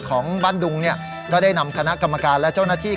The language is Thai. ของบ้านดุงเนี่ยก็ได้นำคณะกรรมการและเจ้าหน้าที่